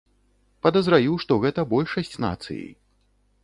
Падазраю, што гэта большасць нацыі.